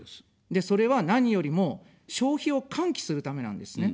で、それは何よりも、消費を喚起するためなんですね。